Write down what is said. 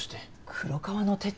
黒革の手帳？